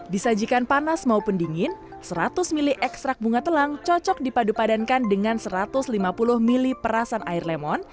disajikan panas maupun dingin seratus mili ekstrak bunga telang cocok dipadu padankan dengan satu ratus lima puluh mili perasan air lemon